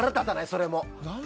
それも。